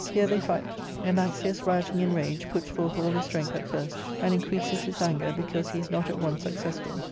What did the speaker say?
Here they fight Anaxius, rioting in rage, puts forth all his strength at first, and increases his anger because he is not at once successful.